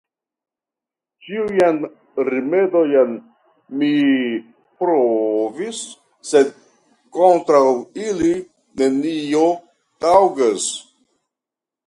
Ĉiujn rimedojn mi provis, sed kontraŭ ili, nenio taŭgas.